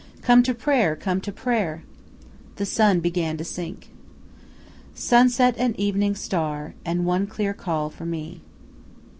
"Come to prayer! Come to prayer!" The sun began to sink. "Sunset and evening star, and one clear call for me."